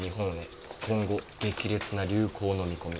今後激烈な流行の見込み」。